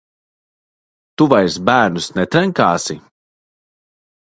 Tu vairs bērnus netrenkāsi?